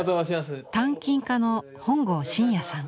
鍛金家の本郷真也さん。